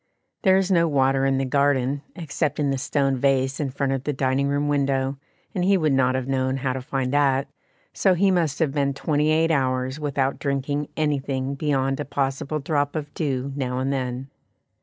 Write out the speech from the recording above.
There is no water in the garden, except in the stone vase in front of the dining room window, and he would not have known how to find that, so he must have been twenty eight hours without drinking anything beyond a possible drop of dew now and then.